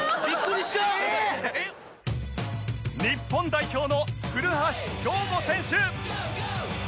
日本代表の古橋亨梧選手